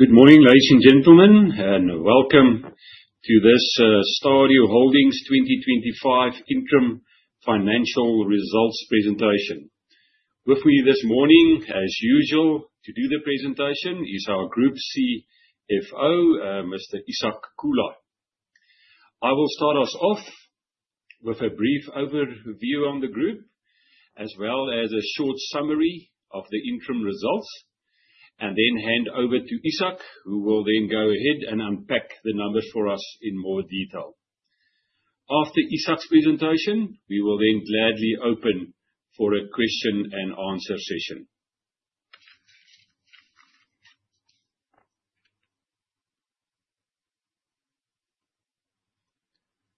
Good morning, ladies and gentlemen, and welcome to this Stadio Holdings 2025 interim financial results presentation. With me this morning, as usual, to do the presentation is our Group CFO, Mr. Ishak Kula. I will start us off with a brief overview on the group, as well as a short summary of the interim results, and hand over to Ishak, who will go ahead and unpack the numbers for us in more detail. After Ishak's presentation, we will gladly open for a question and answer session.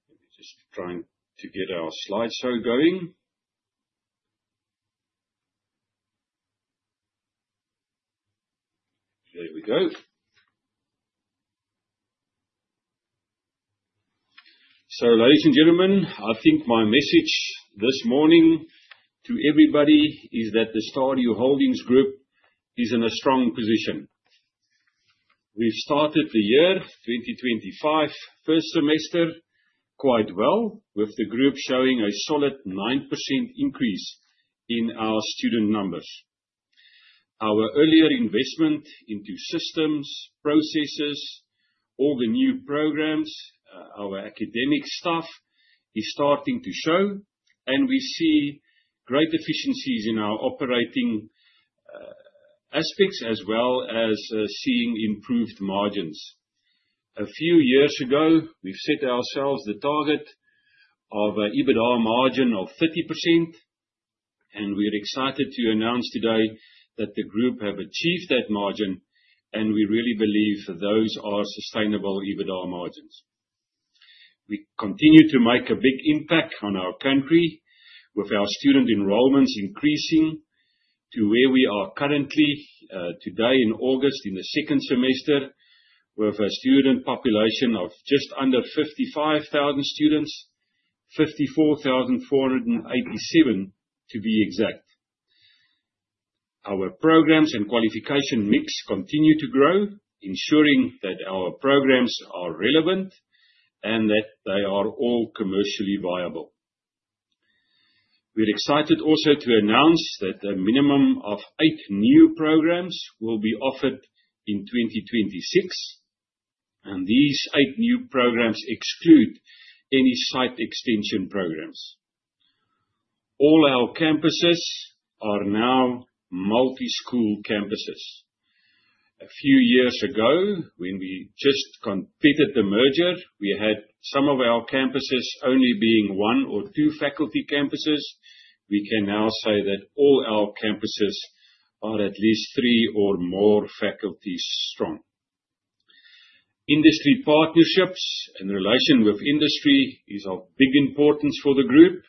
Let me just try to get our slideshow going. There we go. Ladies and gentlemen, I think my message this morning to everybody is that the Stadio Holdings group is in a strong position. We have started the year 2025 first semester quite well, with the group showing a solid 9% increase in our student numbers. Our earlier investment into systems, processes, all the new programs, our academic staff is starting to show, and we see great efficiencies in our operating aspects as well as seeing improved margins. A few years ago, we have set ourselves the target of an EBITDA margin of 30%, and we are excited to announce today that the group has achieved that margin, and we really believe those are sustainable EBITDA margins. We continue to make a big impact on our country with our student enrollments increasing to where we are currently, today in August, in the second semester, with a student population of just under 55,000 students, 54,487 to be exact. Our programs and qualification mix continue to grow, ensuring that our programs are relevant and that they are all commercially viable. We are excited also to announce that a minimum of eight new programs will be offered in 2026, and these eight new programs exclude any site extension programs. All our campuses are now multi-school campuses. A few years ago, when we just completed the merger, we had some of our campuses only being one or two faculty campuses. We can now say that all our campuses are at least three or more faculties strong. Industry partnerships and relation with industry is of big importance for the group.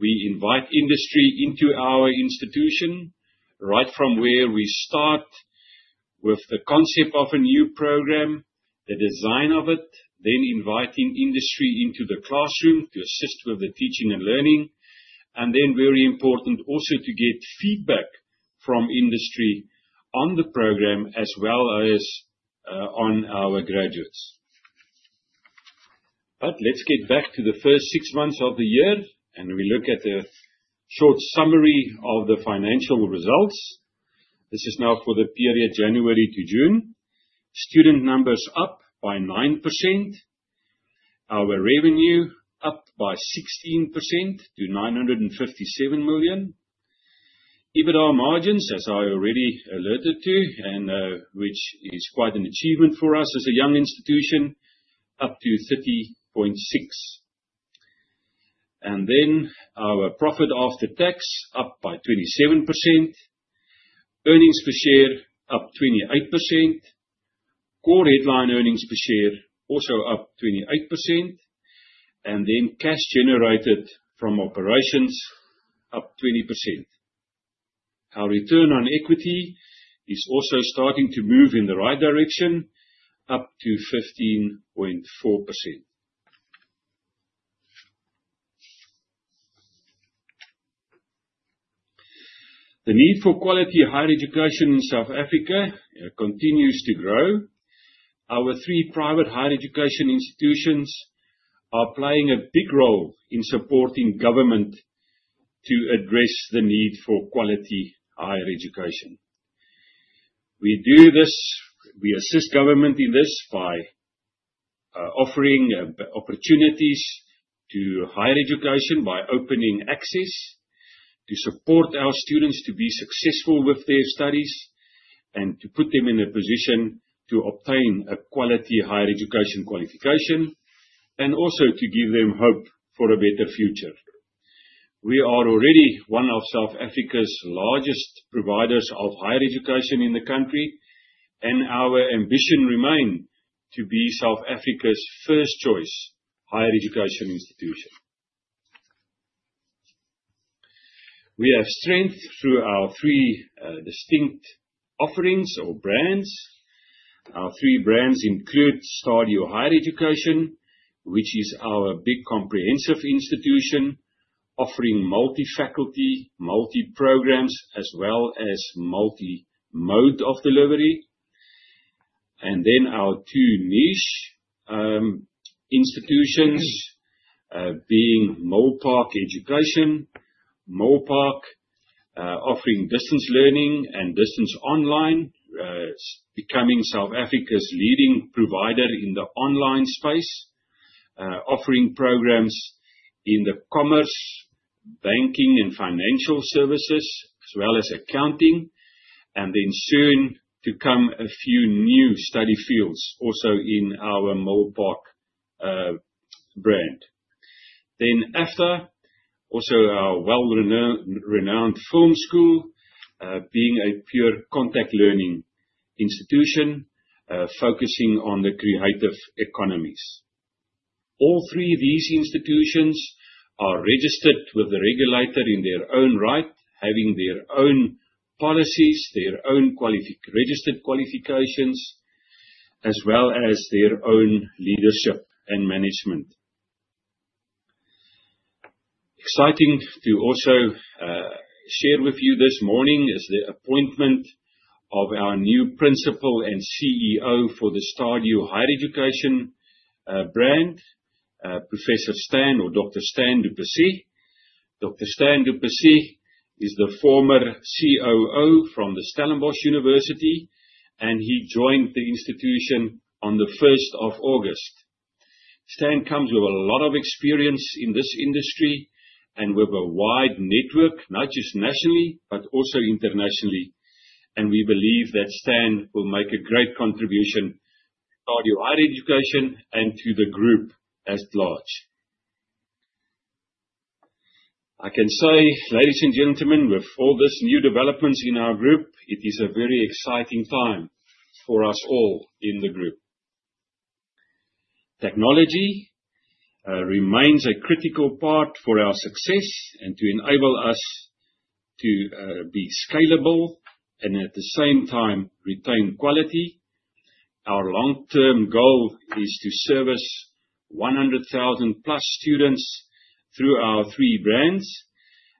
We invite industry into our institution right from where we start with the concept of a new program, the design of it, inviting industry into the classroom to assist with the teaching and learning, and very important also to get feedback from industry on the program as well as on our graduates. Let's get back to the first six months of the year and we look at a short summary of the financial results. This is now for the period January to June. Student numbers up by 9%. Our revenue up by 16% to 957 million. EBITDA margins, as I already alerted to, which is quite an achievement for us as a young institution, up to 30.6%. Our profit after tax up by 27%. Earnings per share up 28%. Core headline earnings per share also up 28%. Cash generated from operations up 20%. Our return on equity is also starting to move in the right direction, up to 15.4%. The need for quality higher education in South Africa continues to grow. Our three private higher education institutions are playing a big role in supporting government to address the need for quality higher education. We assist government in this by offering opportunities to higher education, by opening access, to support our students to be successful with their studies, and to put them in a position to obtain a quality higher education qualification, and also to give them hope for a better future. We are already one of South Africa's largest providers of higher education in the country, and our ambition remain to be South Africa's first choice higher education institution. We have strength through our three distinct offerings or brands. Our three brands include STADIO Higher Education, which is our big comprehensive institution offering multi-faculty, multi-programs, as well as multi-mode of delivery. Our two niche institutions being Milpark Education. Milpark, offering distance learning and distance online, becoming South Africa's leading provider in the online space, offering programs in the commerce, banking, and financial services as well as accounting, soon to come, a few new study fields also in our Milpark brand. AFDA, also our well-renowned film school, being a pure contact learning institution focusing on the creative economies. All three of these institutions are registered with the regulator in their own right, having their own policies, their own registered qualifications, as well as their own leadership and management. Exciting to also share with you this morning is the appointment of our new Principal and CEO for the STADIO Higher Education brand, Professor Stan or Dr. Stan du Plessis. Dr. Stan du Plessis is the former COO from the Stellenbosch University, he joined the institution on the 1st of August. Stan comes with a lot of experience in this industry and with a wide network, not just nationally, but also internationally. We believe that Stan will make a great contribution to STADIO Higher Education and to the group at large. I can say, ladies and gentlemen, with all these new developments in our group, it is a very exciting time for us all in the group. Technology remains a critical part for our success and to enable us to be scalable and at the same time retain quality. Our long-term goal is to service 100,000 plus students through our three brands.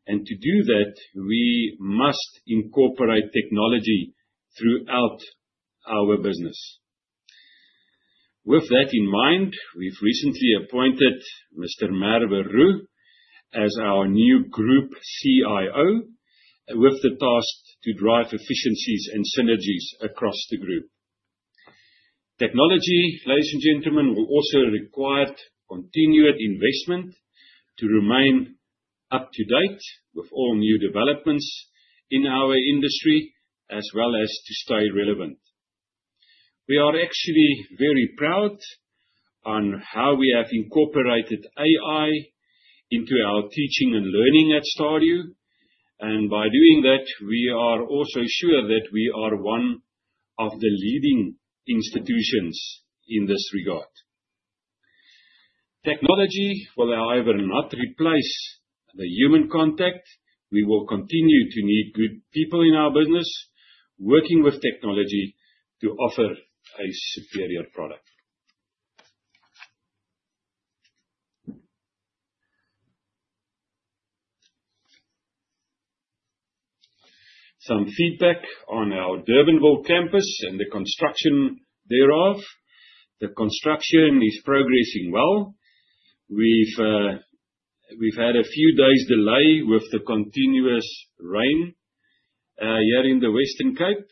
To do that, we must incorporate technology throughout our business. With that in mind, we've recently appointed Mr. Merwe Roux as our new Group CIO with the task to drive efficiencies and synergies across the group. Technology, ladies and gentlemen, will also require continued investment to remain up to date with all new developments in our industry, as well as to stay relevant. We are actually very proud on how we have incorporated AI into our teaching and learning at Stadio. By doing that, we are also sure that we are one of the leading institutions in this regard. Technology will, however, not replace the human contact. We will continue to need good people in our business working with technology to offer a superior product. Some feedback on our Durbanville campus and the construction thereof. The construction is progressing well. We've had a few days delay with the continuous rain here in the Western Cape,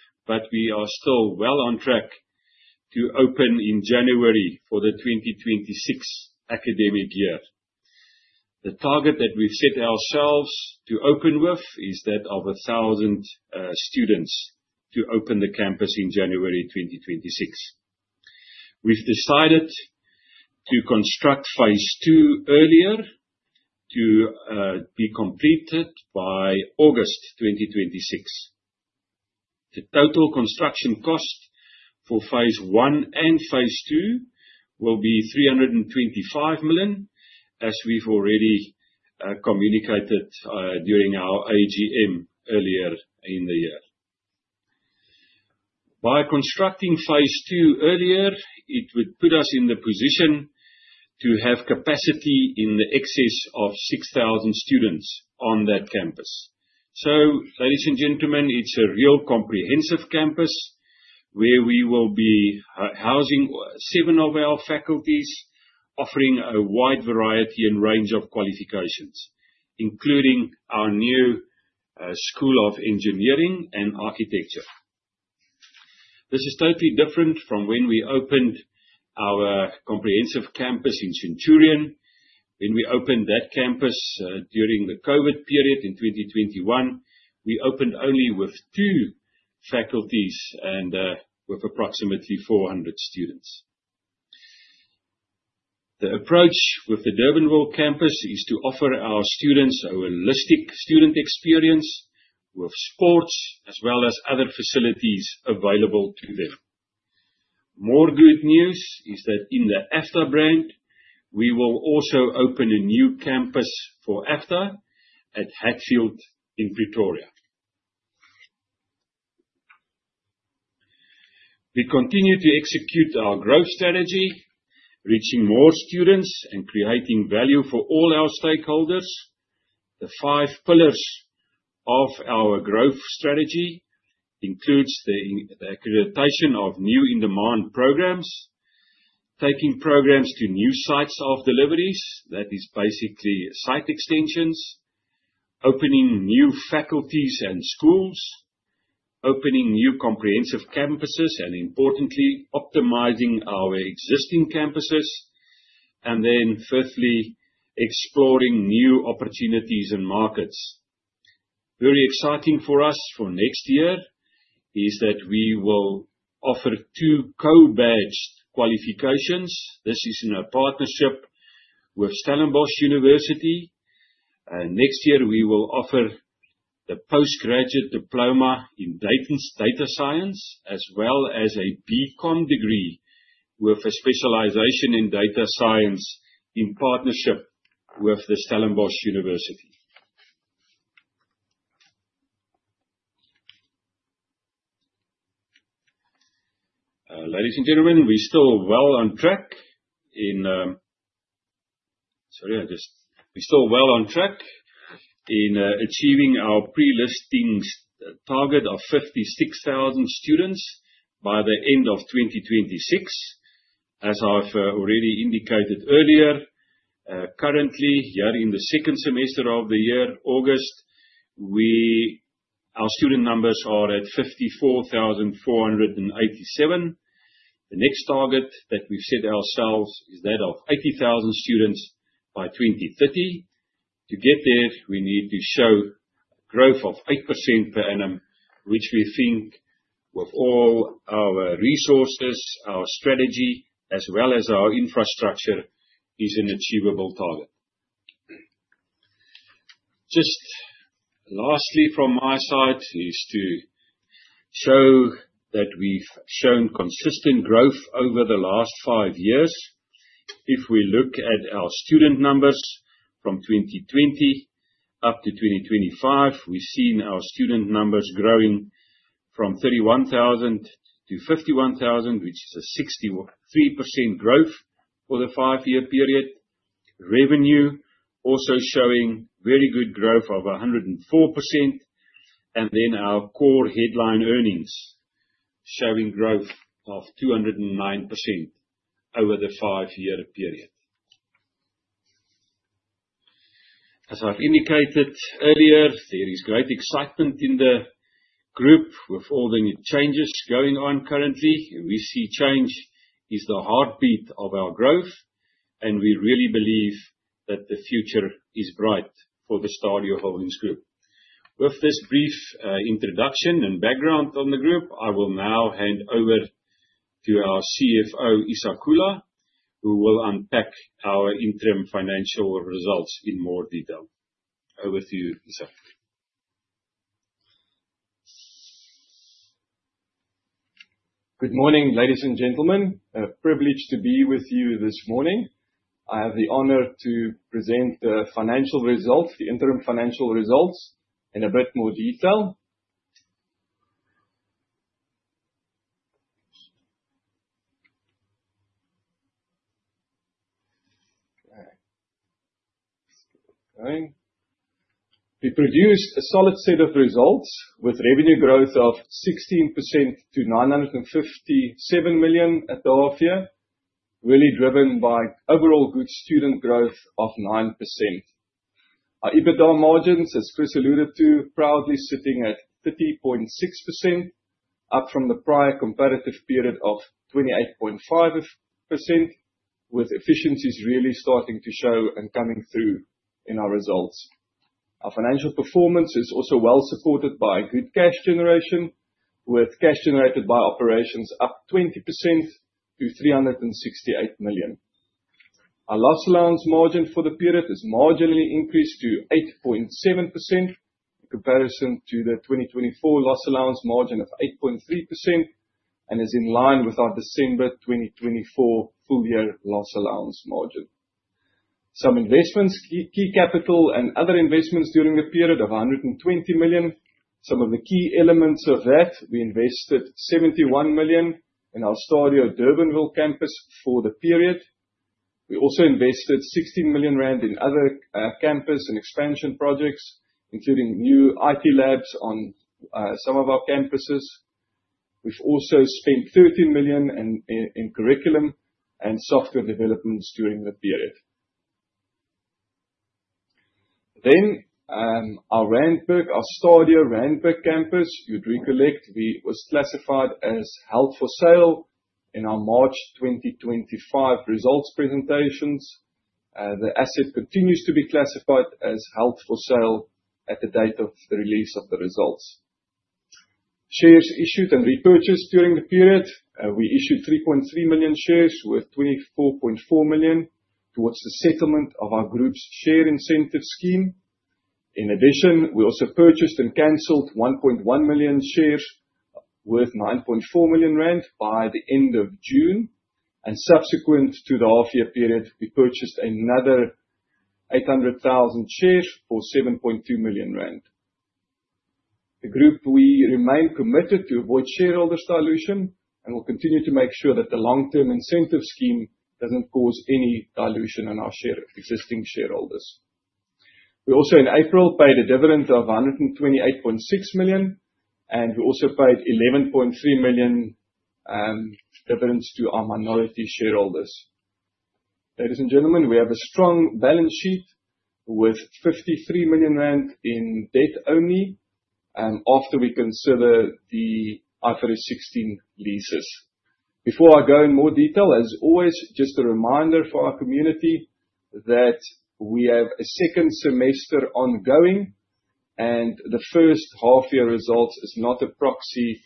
we are still well on track to open in January for the 2026 academic year. The target that we've set ourselves to open with is that of 1,000 students to open the campus in January 2026. We've decided to construct phase 2 earlier to be completed by August 2026. The total construction cost for phase 1 and phase 2 will be 325 million, as we've already communicated during our AGM earlier in the year. By constructing phase 2 earlier, it would put us in the position to have capacity in excess of 6,000 students on that campus. Ladies and gentlemen, it's a real comprehensive campus where we will be housing seven of our faculties, offering a wide variety and range of qualifications, including our new School of Engineering and Architecture. This is totally different from when we opened our comprehensive campus in Centurion. When we opened that campus during the COVID period in 2021, we opened only with two faculties and with approximately 400 students. The approach with the Durbanville Campus is to offer our students a holistic student experience with sports as well as other facilities available to them. More good news is that in the AFDA brand, we will also open a new campus for AFDA at Hatfield in Pretoria. We continue to execute our growth strategy, reaching more students and creating value for all our stakeholders. The five pillars of our growth strategy includes the accreditation of new in-demand programs, taking programs to new sites of deliveries, that is basically site extensions, opening new faculties and schools, opening new comprehensive campuses, and importantly, optimizing our existing campuses. Fifthly, exploring new opportunities and markets. Very exciting for us for next year is that we will offer two co-badged qualifications. This is in a partnership with Stellenbosch University. Next year, we will offer the Postgraduate Diploma in Data Science as well as a BCom degree with a specialization in Data Science in partnership with the Stellenbosch University. Ladies and gentlemen, we're still well on track in achieving our pre-listings target of 56,000 students by the end of 2026. As I've already indicated earlier, currently, here in the second semester of the year, August, our student numbers are at 54,487. The next target that we've set ourselves is that of 80,000 students by 2030. To get there, we need to show growth of 8% per annum, which we think with all our resources, our strategy, as well as our infrastructure, is an achievable target. Just lastly from my side is to show that we've shown consistent growth over the last five years. If we look at our student numbers from 2020 up to 2025, we've seen our student numbers growing from 31,000 to 51,000, which is a 63% growth for the five-year period. Revenue also showing very good growth of 104%. Our core headline earnings showing growth of 209% over the five-year period. As I've indicated earlier, there is great excitement in the group with all the new changes going on currently. We see change is the heartbeat of our growth, and we really believe that the future is bright for the Stadio Holdings group. With this brief introduction and background on the group, I will now hand over to our CFO, Ishak Kula, who will unpack our interim financial results in more detail. Over to you, Ishak. Good morning, ladies and gentlemen. A privilege to be with you this morning. I have the honor to present the financial results, the interim financial results, in a bit more detail. We produced a solid set of results with revenue growth of 16% to 957 million at the half year, really driven by overall good student growth of 9%. Our EBITDA margins, as Chris alluded to, proudly sitting at 30.6%, up from the prior comparative period of 28.5%, with efficiencies really starting to show and coming through in our results. Our financial performance is also well supported by good cash generation, with cash generated by operations up 20% to 368 million. Our loss allowance margin for the period is marginally increased to 8.7% in comparison to the 2024 loss allowance margin of 8.3% and is in line with our December 2024 full year loss allowance margin. Some investments, key capital and other investments during the period of 120 million. Some of the key elements of that, we invested 71 million in our STADIO Durbanville campus for the period. We also invested 16 million rand in other campus and expansion projects, including new IT labs on some of our campuses. We've also spent 13 million in curriculum and software developments during the period. Our STADIO Randburg campus, you'd recollect, was classified as held for sale in our March 2025 results presentations. The asset continues to be classified as held for sale at the date of the release of the results. Shares issued and repurchased during the period. We issued 3.3 million shares worth 24.4 million towards the settlement of our group's share incentive scheme. In addition, we also purchased and canceled 1.1 million shares worth 9.4 million rand by the end of June. Subsequent to the half year period, we purchased another 800,000 shares for 7.2 million rand. The group, we remain committed to avoid shareholder dilution, and we'll continue to make sure that the long-term incentive scheme doesn't cause any dilution in our existing shareholders. We also, in April, paid a dividend of 128.6 million, and we also paid 11.3 million dividends to our minority shareholders. Ladies and gentlemen, we have a strong balance sheet with 53 million rand in debt only after we consider the IFRS 16 leases. Before I go in more detail, as always, just a reminder for our community that we have a second semester ongoing and the first half year results is not a proxy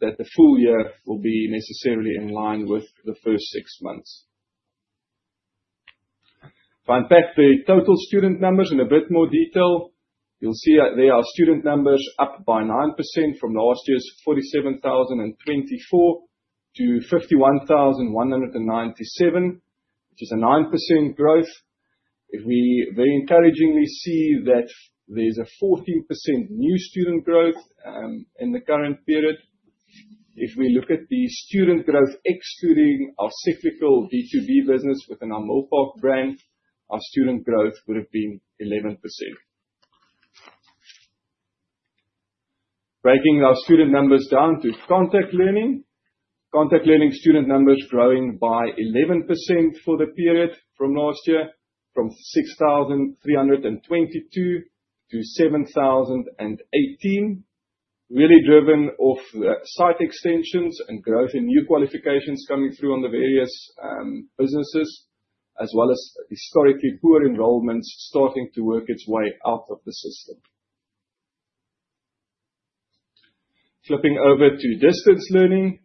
that the full year will be necessarily in line with the first six months. If I unpack the total student numbers in a bit more detail, you'll see that there are student numbers up by 9% from last year's 47,024 to 51,197, which is a 9% growth. We very encouragingly see that there's a 14% new student growth in the current period. If we look at the student growth excluding our cyclical B2B business within our Milpark brand, our student growth would have been 11%. Breaking our student numbers down to contact learning. Contact learning student numbers growing by 11% for the period from last year, from 6,322 to 7,018, really driven off site extensions and growth in new qualifications coming through on the various businesses, as well as historically poor enrollments starting to work its way out of the system. Flipping over to distance learning.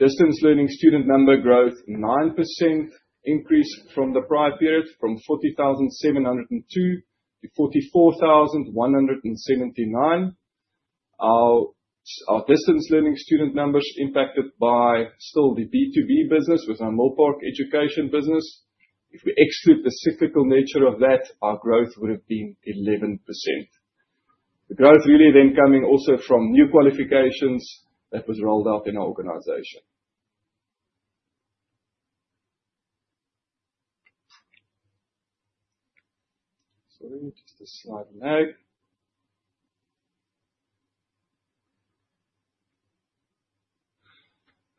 Distance learning student number growth, 9% increase from the prior period from 40,702 to 44,179. Our distance learning student numbers impacted by still the B2B business with our Milpark Education business. If we exclude the cyclical nature of that, our growth would have been 11%. The growth really coming also from new qualifications that was rolled out in our organization.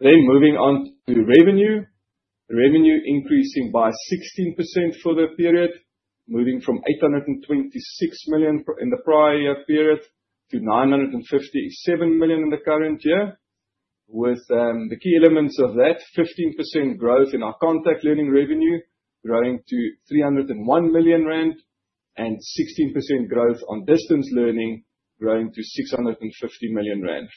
Moving on to revenue. Revenue increasing by 16% for the period, moving from 826 million in the prior year period to 957 million in the current year. With the key elements of that, 15% growth in our contact learning revenue, growing to 301 million rand and 16% growth on distance learning growing to 650 million rand.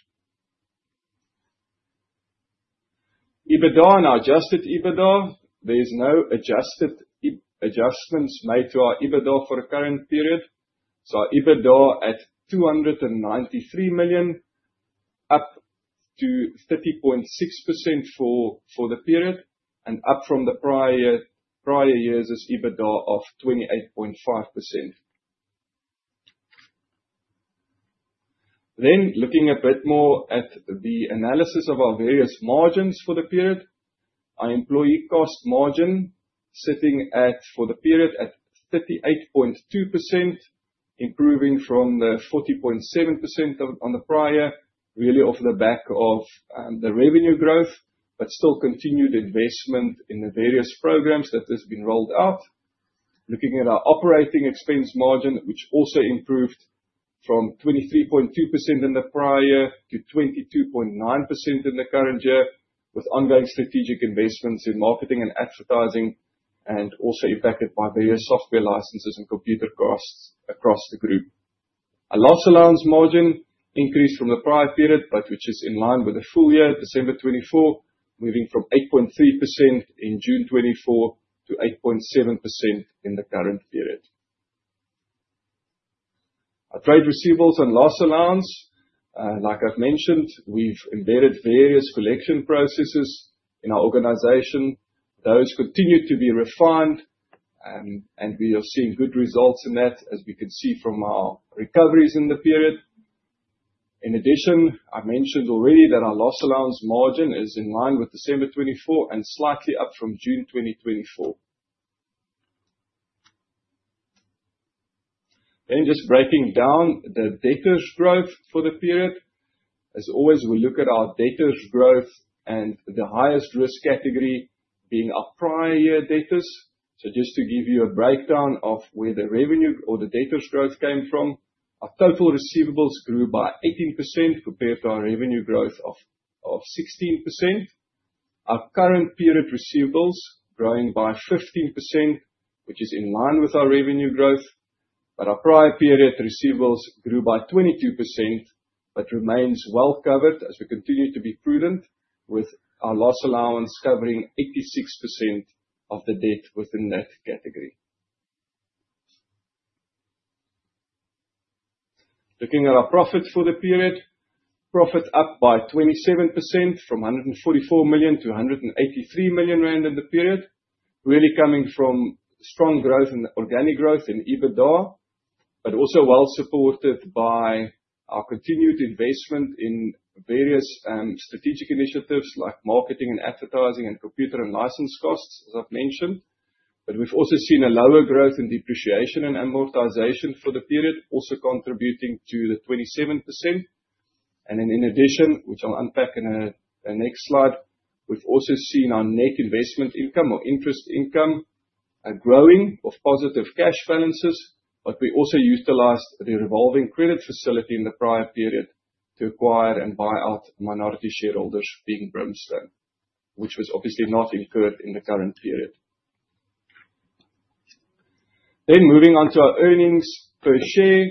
EBITDA and adjusted EBITDA. There is no adjustments made to our EBITDA for the current period. Our EBITDA at 293 million, up to 30.6% for the period and up from the prior year's EBITDA of 28.5%. Looking a bit more at the analysis of our various margins for the period. Our employee cost margin sitting for the period at 38.2%, improving from the 40.7% on the prior, really off the back of the revenue growth, but still continued investment in the various programs that has been rolled out. Looking at our operating expense margin, which also improved from 23.2% in the prior year to 22.9% in the current year, with ongoing strategic investments in marketing and advertising, and also impacted by various software licenses and computer costs across the group. Our loss allowance margin increased from the prior period, which is in line with the full year, December 2024, moving from 8.3% in June 2024 to 8.7% in the current period. Our trade receivables and loss allowance. Like I've mentioned, we've embedded various collection processes in our organization. Those continue to be refined, and we are seeing good results in that, as we can see from our recoveries in the period. In addition, I've mentioned already that our loss allowance margin is in line with December 2024 and slightly up from June 2024. Just breaking down the debtors growth for the period. As always, we look at our debtors growth and the highest risk category being our prior year debtors. Just to give you a breakdown of where the revenue or the debtors growth came from. Our total receivables grew by 18% compared to our revenue growth of 16%. Our current period receivables growing by 15%, which is in line with our revenue growth. Our prior period receivables grew by 22%, but remains well covered as we continue to be prudent with our loss allowance covering 86% of the debt within that category. Looking at our profits for the period. Profit up by 27% from 144 million to 183 million rand in the period, really coming from strong growth and organic growth in EBITDA, also well-supported by our continued investment in various strategic initiatives like marketing and advertising and computer and license costs, as I've mentioned. We've also seen a lower growth in depreciation and amortization for the period, also contributing to the 27%. In addition, which I will unpack in the next slide, we have also seen our net investment income or interest income growing of positive cash balances. We also utilized the revolving credit facility in the prior period to acquire and buy out minority shareholders being Brimstone, which was obviously not incurred in the current period. Moving on to our earnings per share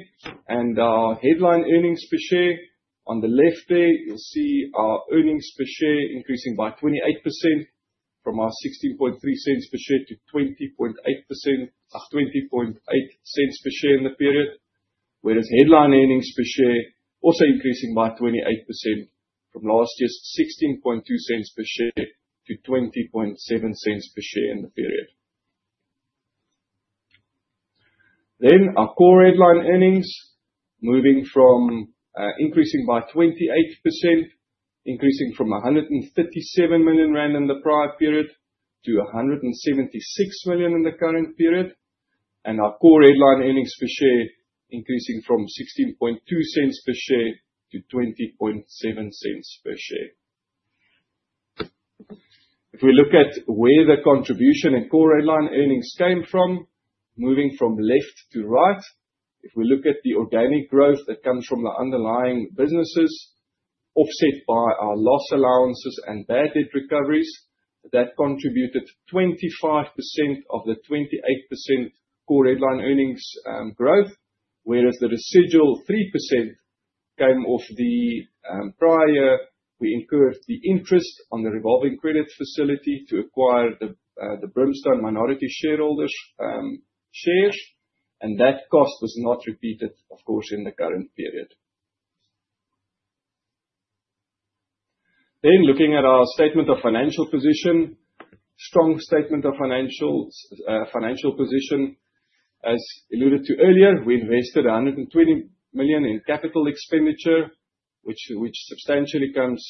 and our headline earnings per share. On the left there, you will see our earnings per share increasing by 28% from our 0.163 per share to 0.208 per share in the period. Whereas headline earnings per share also increasing by 28% from last year's ZAR 0.162 per share to 0.207 per share in the period. Our core headline earnings, increasing by 28%, increasing from 137 million rand in the prior period to 176 million in the current period, and our core headline earnings per share increasing from 0.162 per share to 0.207 per share. If we look at where the contribution in core headline earnings came from, moving from left to right. If we look at the organic growth that comes from the underlying businesses offset by our loss allowances and bad debt recoveries, that contributed 25% of the 28% core headline earnings growth, whereas the residual 3% came off the prior. We incurred the interest on the revolving credit facility to acquire the Brimstone minority shareholders' shares, and that cost was not repeated, of course, in the current period. Looking at our statement of financial position. Strong statement of financial position. As alluded to earlier, we invested 120 million in capital expenditure, which substantially comes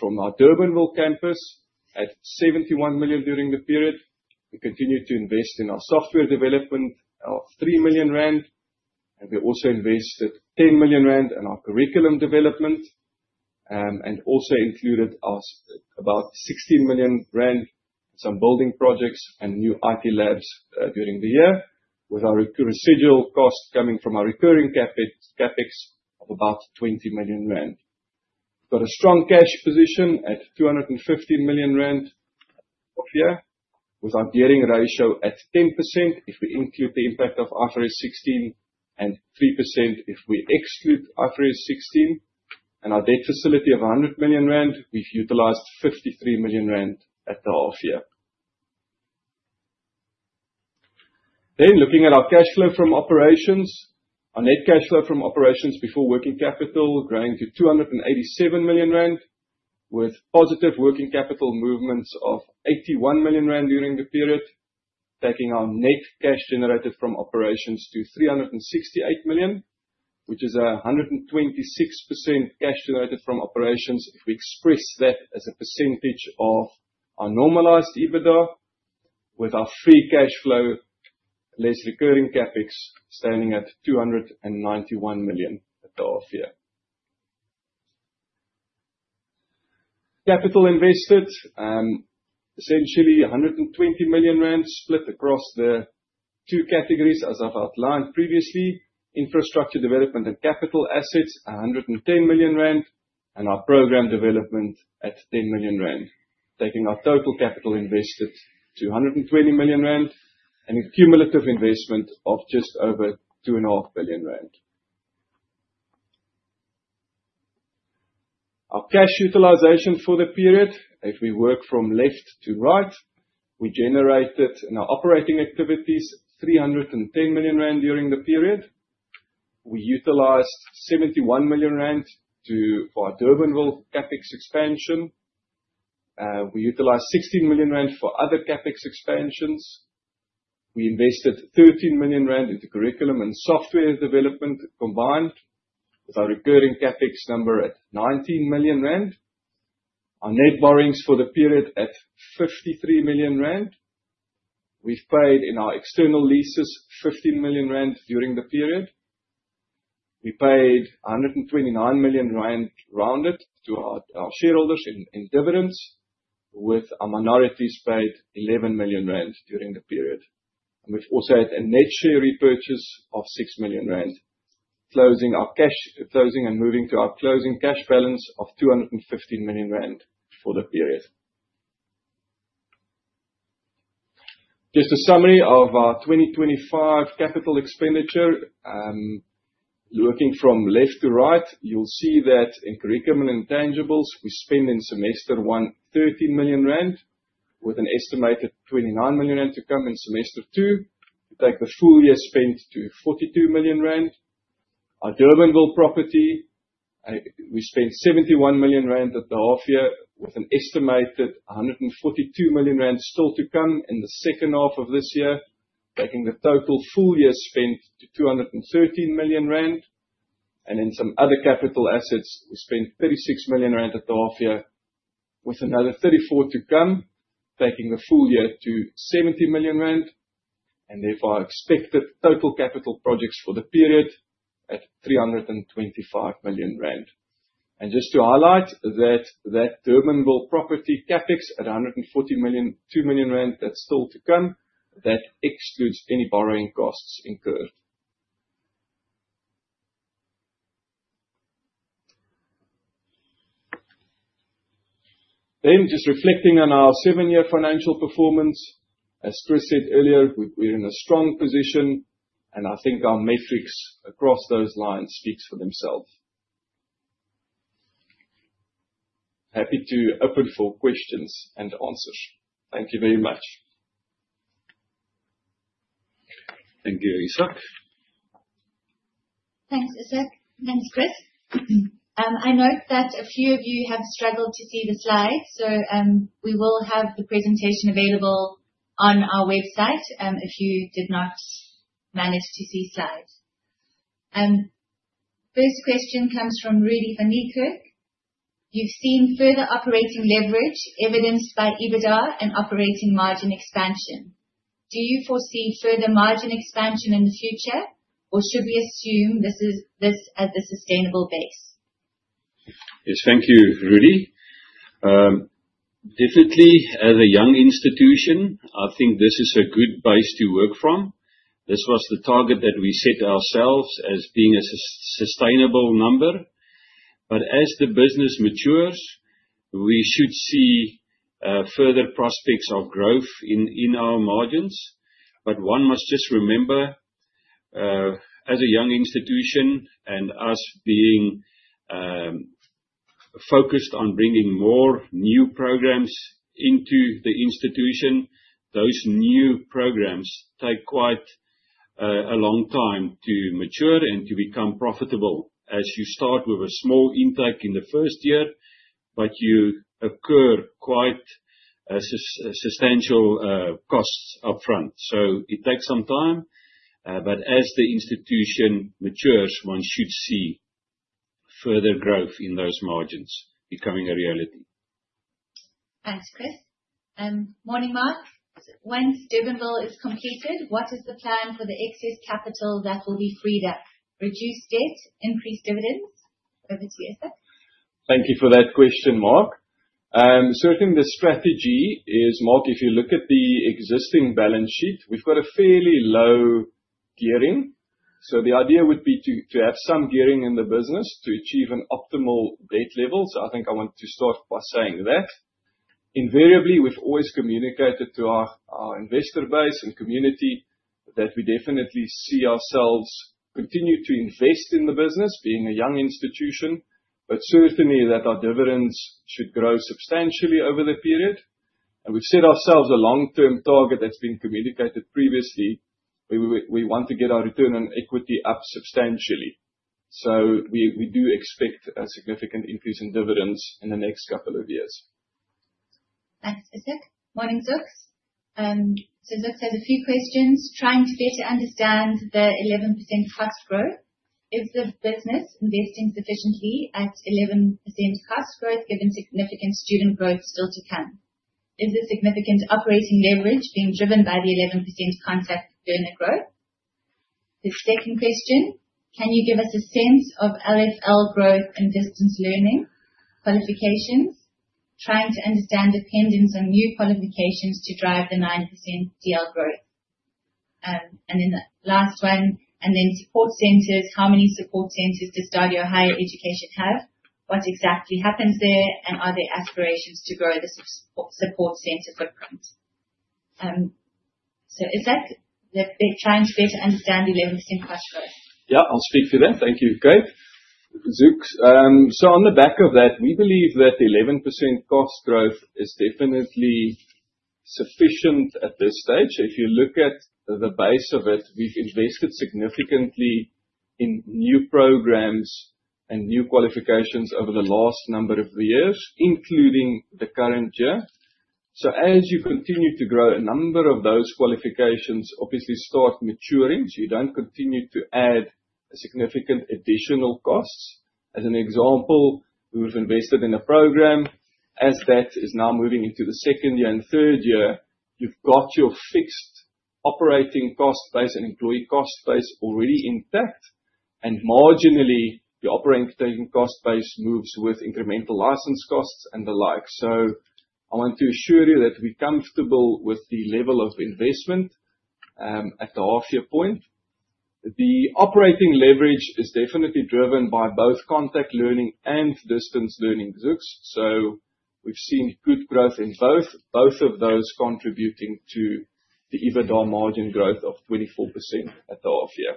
from our Durbanville campus at 71 million during the period. We continued to invest in our software development, 3 million rand. We also invested 10 million rand in our curriculum development, and also included about 16 million rand, some building projects and new IT labs during the year, with our residual costs coming from our recurring CapEx of about 20 million rand. Got a strong cash position at 215 million rand of year, with our gearing ratio at 10% if we include the impact of IFRS 16 and 3% if we exclude IFRS 16 and our debt facility of 100 million rand, we have utilized 53 million rand at the half year. Looking at our cash flow from operations. Our net cash flow from operations before working capital growing to 287 million rand, with positive working capital movements of 81 million rand during the period, taking our net cash generated from operations to 368 million, which is 126% cash generated from operations if we express that as a percentage of our normalized EBITDA, with our free cash flow less recurring CapEx standing at 291 million at half year. Capital invested, essentially 120 million rand split across the two categories, as I have outlined previously. Infrastructure development and capital assets, 110 million rand, and our program development at 10 million rand, taking our total capital invested to 120 million rand and a cumulative investment of just over two and a half billion ZAR. Our cash utilization for the period, if we work from left to right, we generated in our operating activities 310 million rand during the period. We utilized 71 million rand for our Durbanville CapEx expansion. We utilized 16 million rand for other CapEx expansions. We invested 13 million rand into curriculum and software development combined, with our recurring CapEx number at 19 million rand. Our net borrowings for the period at 53 million rand. We've paid in our external leases 15 million rand during the period. We paid 129 million rand, rounded, to our shareholders in dividends, with our minorities paid 11 million rand during the period. We've also had a net share repurchase of 6 million rand. Closing and moving to our closing cash balance of 215 million rand for the period. Just a summary of our 2025 capital expenditure. Looking from left to right, you'll see that in curriculum and intangibles, we spend in semester one 13 million rand. With an estimated 29 million rand to come in semester two, to take the full year spend to 42 million rand. Our Durbanville property, we spent 71 million rand at the half year, with an estimated 142 million rand still to come in the second half of this year, taking the total full year spend to 213 million rand. Some other capital assets, we spent 36 million rand at the half year, with another 34 to come, taking the full year to 70 million rand. Therefore, our expected total capital projects for the period at 325 million rand. Just to highlight that Durbanville property CapEx at 142 million that's still to come. That excludes any borrowing costs incurred. Just reflecting on our seven-year financial performance. As Chris said earlier, we're in a strong position, and I think our metrics across those lines speaks for themselves. Happy to open for questions and answers. Thank you very much. Thank you, Ishak. Thanks, Ishak. Thanks, Chris. I note that a few of you have struggled to see the slides. We will have the presentation available on our website, if you did not manage to see slides. First question comes from Rudi van Niekerk. You've seen further operating leverage evidenced by EBITDA and operating margin expansion. Do you foresee further margin expansion in the future, or should we assume this as a sustainable base? Yes. Thank you, Rudi. Definitely, as a young institution, I think this is a good base to work from. This was the target that we set ourselves as being a sustainable number. As the business matures, we should see further prospects of growth in our margins. One must just remember, as a young institution and us being focused on bringing more new programs into the institution, those new programs take quite a long time to mature and to become profitable. As you start with a small intake in the first year, but you occur quite substantial costs upfront. It takes some time. As the institution matures, one should see further growth in those margins becoming a reality. Thanks, Chris. Morning, Mark. Once Durbanville is completed, what is the plan for the excess capital that will be freed up? Reduce debt? Increase dividends? Over to Ishak. Thank you for that question, Mark. Certainly the strategy is, Mark, if you look at the existing balance sheet, we've got a fairly low gearing. The idea would be to have some gearing in the business to achieve an optimal debt level. I think I want to start by saying that. Invariably, we've always communicated to our investor base and community that we definitely see ourselves continue to invest in the business being a young institution, but certainly that our dividends should grow substantially over the period. We've set ourselves a long-term target that's been communicated previously, where we want to get our return on equity up substantially. We do expect a significant increase in dividends in the next couple of years. Thanks, Ishak. Morning, Zuks. Zuks has a few questions. Trying to better understand the 11% cost growth. Is the business investing sufficiently at 11% cost growth, given significant student growth still to come? Is the significant operating leverage being driven by the 11% contact learner growth? The second question. Can you give us a sense of LFL growth and distance learning qualifications? Trying to understand the dependence on new qualifications to drive the 9% DL growth. The last one. Support centers. How many support centers does STADIO Higher Education have? What exactly happens there? And are there aspirations to grow the support center footprint? Ishak, they're trying to better understand the 11% cost growth. Yes, I'll speak to that. Thank you. Okay. Zuks, on the back of that, we believe that the 11% cost growth is definitely sufficient at this stage. If you look at the base of it, we've invested significantly in new programs and new qualifications over the last number of years, including the current year. As you continue to grow, a number of those qualifications obviously start maturing, so you don't continue to add significant additional costs. As an example, we've invested in a program. As that is now moving into the second year and third year, you've got your fixed operating cost base and employee cost base already intact. Marginally, your operating cost base moves with incremental license costs and the like. I want to assure you that we're comfortable with the level of investment at the half year point. The operating leverage is definitely driven by both contact learning and distance learning, Zuks. We've seen good growth in both. Both of those contributing to the EBITDA growth of 24% at the half year.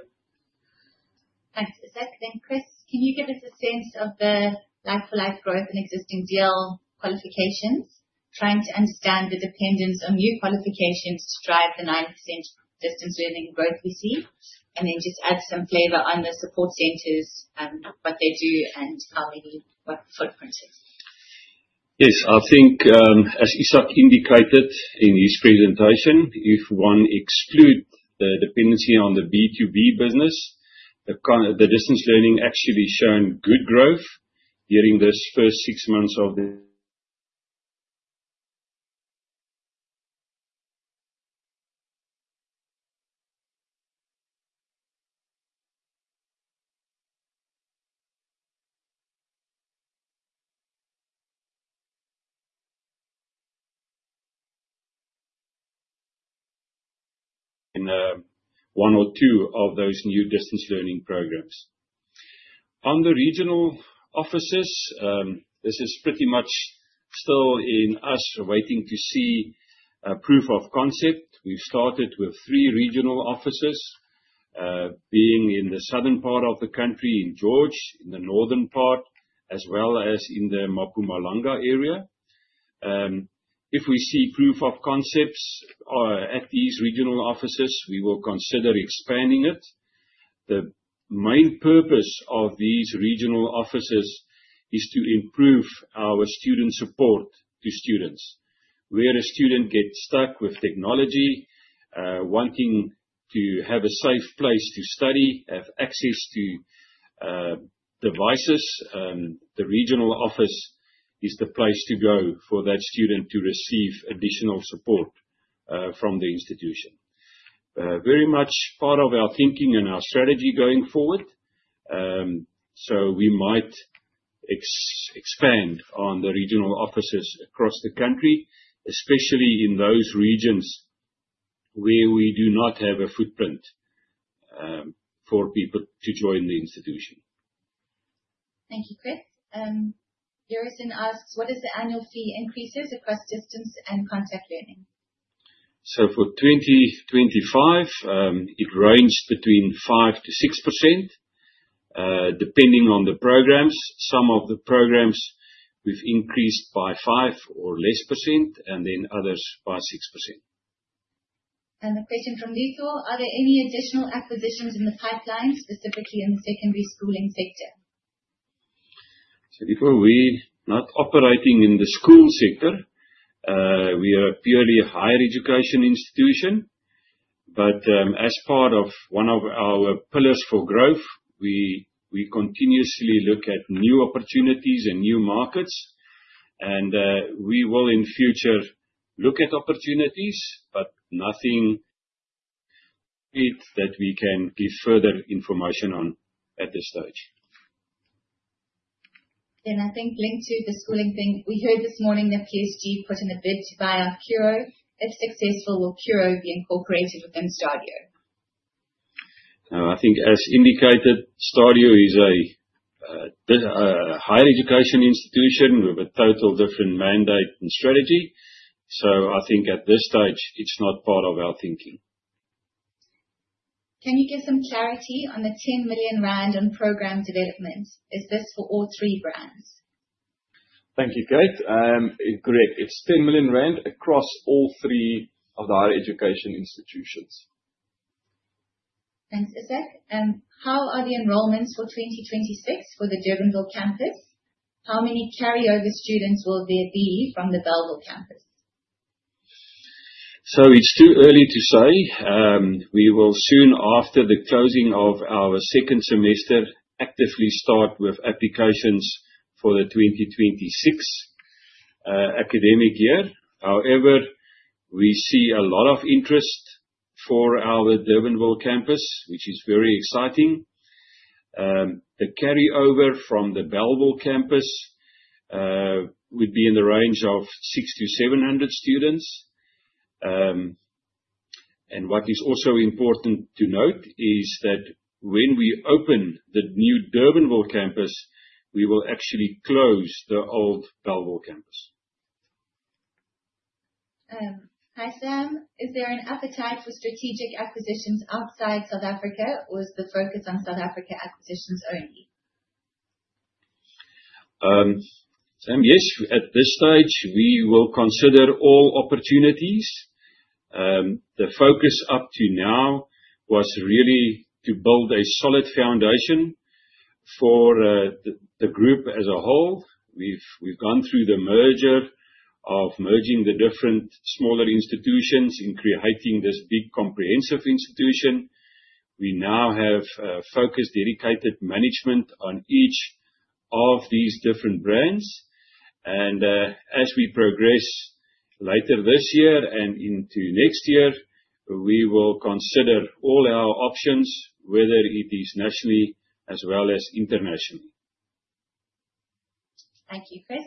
Thanks, Ishak. Chris, can you give us a sense of the like-for-like growth in existing DL qualifications? Trying to understand the dependence on new qualifications to drive the 9% distance learning growth we see, and just add some flavor on the support centers, what they do and what the footprint is. Yes. I think, as Ishak indicated in his presentation, if one excludes the dependency on the B2B business, the distance learning has actually shown good growth during these first six months in one or two of those new distance learning programs. On the regional offices, this is pretty much still in us waiting to see proof of concept. We started with three regional offices, being in the southern part of the country in George, in the northern part, as well as in the Mpumalanga area. If we see proof of concepts at these regional offices, we will consider expanding it. The main purpose of these regional offices is to improve our student support to students. Where a student gets stuck with technology, wanting to have a safe place to study, have access to devices, the regional office is the place to go for that student to receive additional support from the institution. Very much part of our thinking and our strategy going forward. We might expand on the regional offices across the country, especially in those regions where we do not have a footprint for people to join the institution. Thank you, Chris. Harrison asks, what is the annual fee increases across distance learning and contact learning? For 2025, it ranged between 5%-6% depending on the programs. Some of the programs we've increased by 5% or less, others by 6%. A question from Nicole. Are there any additional acquisitions in the pipeline, specifically in the secondary schooling sector? Nicole, we're not operating in the school sector. We are purely a higher education institution. As part of one of our pillars for growth, we continuously look at new opportunities and new markets and we will in future look at opportunities, but nothing that we can give further information on at this stage. I think linked to the schooling thing, we heard this morning that PSG put in a bid to buy up Curro. If successful, will Curro be incorporated within Stadio? I think as indicated, Stadio is a higher education institution with a total different mandate and strategy. I think at this stage, it's not part of our thinking. Can you give some clarity on the 10 million rand on program developments? Is this for all three brands? Thank you, Kate. Correct. It's 10 million rand across all three of the higher education institutions. Thanks, Ishak. How are the enrollments for 2026 for the STADIO Durbanville campus? How many carryover students will there be from the Bellville campus? It's too early to say. We will soon, after the closing of our second semester, actively start with applications for the 2026 academic year. However, we see a lot of interest for our STADIO Durbanville campus, which is very exciting. The carryover from the Bellville campus will be in the range of 600-700 students. What is also important to note is that when we open the new STADIO Durbanville campus, we will actually close the old Bellville campus. Hi, Sam. Is there an appetite for strategic acquisitions outside South Africa or is the focus on South Africa acquisitions only? Sam, yes. At this stage, we will consider all opportunities. The focus up to now was really to build a solid foundation for the group as a whole. We've gone through the merger of merging the different smaller institutions in creating this big comprehensive institution. We now have a focused, dedicated management on each of these different brands. As we progress later this year and into next year, we will consider all our options, whether it is nationally as well as internationally. Thank you, Chris.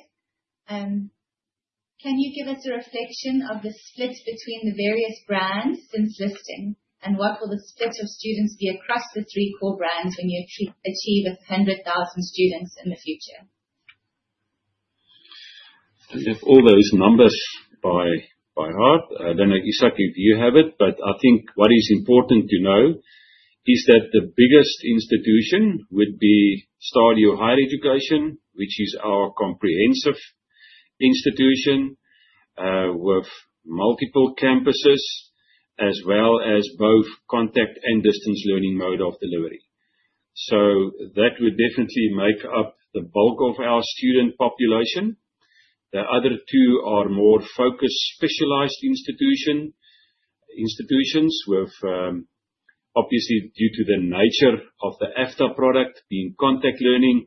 Can you give us a reflection of the split between the various brands since listing? What will the split of students be across the three core brands when you achieve 100,000 students in the future? I don't have all those numbers by heart. I don't know, Ishak, if you have it, but I think what is important to know is that the biggest institution would be STADIO Higher Education, which is our comprehensive institution, with multiple campuses, as well as both contact learning and distance learning mode of delivery. That would definitely make up the bulk of our student population. The other two are more focused, specialized institutions with, obviously, due to the nature of the AFDA product being contact learning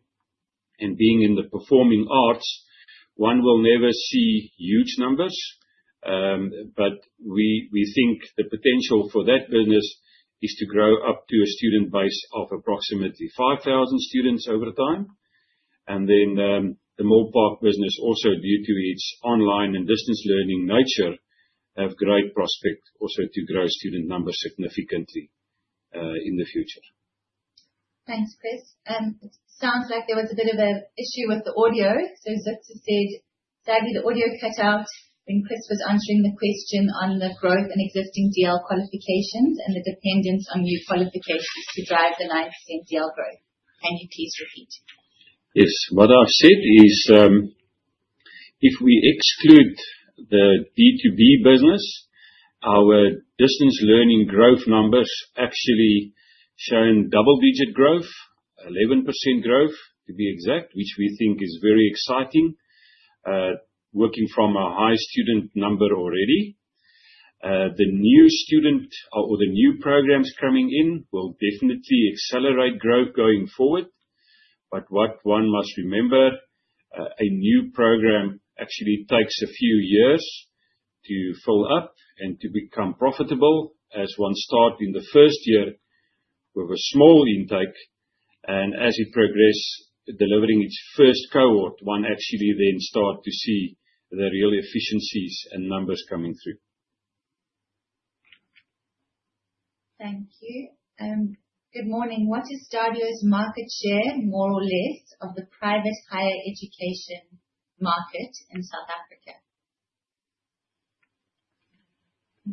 and being in the performing arts, one will never see huge numbers. We think the potential for that business is to grow up to a student base of approximately 5,000 students over time. The Milpark business also due to its online and distance learning nature, have great prospect also to grow student numbers significantly, in the future. Thanks, Chris. It sounds like there was a bit of a issue with the audio. Zihta said, "Sadly, the audio cut out when Chris was answering the question on the growth in existing DL qualifications and the dependence on new qualifications to drive the 9% DL growth." Can you please repeat? Yes. What I've said is, if we exclude the B2B business, our distance learning growth numbers actually shown double-digit growth, 11% growth to be exact, which we think is very exciting. Working from a high student number already. The new student or the new programs coming in will definitely accelerate growth going forward. What one must remember, a new program actually takes a few years to fill up and to become profitable as one start in the first year with a small intake and as it progress delivering its first cohort, one actually then start to see the real efficiencies and numbers coming through. Thank you. Good morning. What is Stadio's market share, more or less, of the private higher education market in South Africa?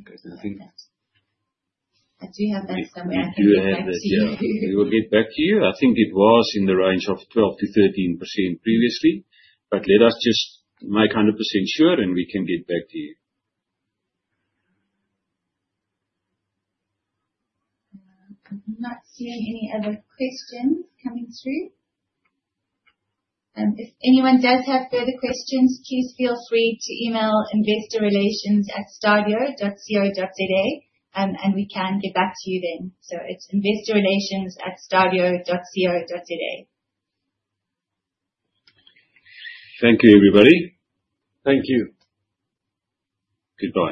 Okay. I do have that somewhere. I can get back to you. We will get back to you. I think it was in the range of 12%-13% previously, let us just make 100% sure, we can get back to you. I'm not seeing any other questions coming through. If anyone does have further questions, please feel free to email investorrelations@stadio.co.za, we can get back to you then. It's investorrelations@stadio.co.za. Thank you, everybody. Thank you. Goodbye.